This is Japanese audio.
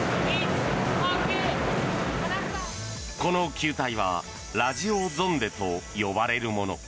この球体はラジオゾンデと呼ばれるもの。